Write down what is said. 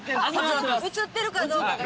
映ってるかどうかが。